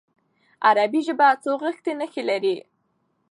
عربي ژبه خوځښتي نښې لري.